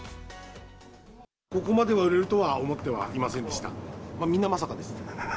ここまでは売れるとは思ってはいませんでした。